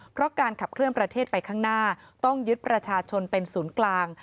เพราะการขับเคลื่อนประเทศไปข้างหน้าต้องยึดประชาชนเป็นศูนย์กลาง